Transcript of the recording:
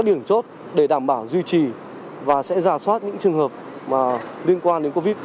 phường hàng bài sẽ đảm bảo duy trì và sẽ giả soát những trường hợp liên quan đến covid